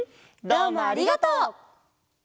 どうもありがとう！